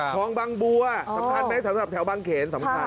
คลองบางบัวสำคัญไหมสำหรับแถวบางเขนสำคัญ